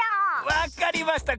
わかりました。